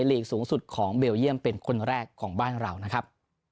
ลีกสูงสุดของเบลเยี่ยมเป็นคนแรกของบ้านเรานะครับ